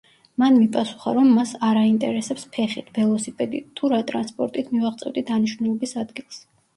მან მიპასუხა, რომ მას არ აინტერესებს ფეხით, ველოსიპედით თუ რა ტრანსპორტით მივაღწევდი დანიშნულების ადგილს.